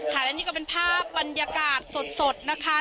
และนี่ก็เป็นภาพบรรยากาศสดนะคะ